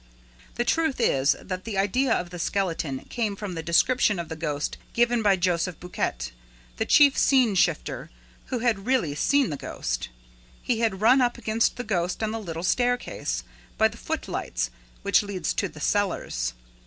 The truth is that the idea of the skeleton came from the description of the ghost given by Joseph Buquet, the chief scene shifter, who had really seen the ghost. He had run up against the ghost on the little staircase, by the footlights, which leads to "the cellars."